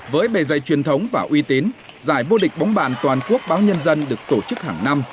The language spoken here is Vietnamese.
với bề dây truyền thống và uy tín giải vô địch bóng bàn toàn quốc báo nhân dân được tổ chức hàng năm